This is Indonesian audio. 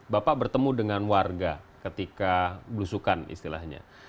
bapak bertemu dengan warga ketika belusukan istilahnya